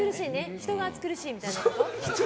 人が暑苦しいみたいな。